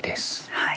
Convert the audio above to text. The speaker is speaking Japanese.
はい。